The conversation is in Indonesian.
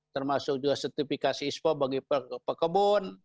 termasuk juga sertifikasi ispo bagi pekebun